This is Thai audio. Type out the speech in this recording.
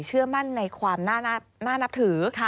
เชื่อมั่นในความน่านับถือ